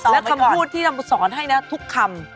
และคำพูดที่เราสอนให้นะทุกคำ